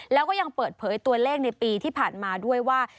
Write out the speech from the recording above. แล้วก็ยังเปิดเผยตัวเลขในปีที่ผ่านมาด้วยว่า